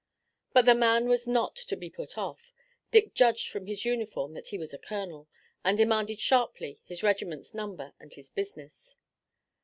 But the man was not to be put off Dick judged from his uniform that he was a colonel and demanded sharply his regiment's number and his business.